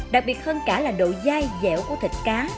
đặc biệt hơn cả là độ dai dẻo của thịt cá